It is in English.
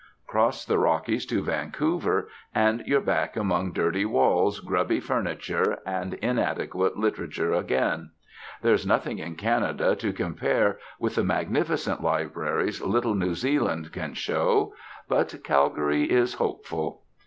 Cross the Rockies to Vancouver, and you're back among dirty walls, grubby furniture, and inadequate literature again. There's nothing in Canada to compare with the magnificent libraries little New Zealand can show. But Calgary is hopeful.